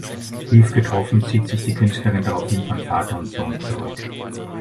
Tief getroffen zieht sich die Künstlerin daraufhin von Vater und Sohn zurück.